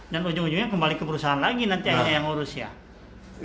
dan ujung ujungnya kembali ke perusahaan lagi nanti yang urus ya